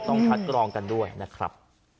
ต้องคัดกรองกันด้วยนะครับ